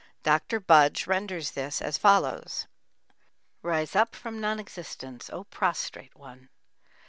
Dr. Budge renders this as follows: Rise up from non existence, O prostrate one!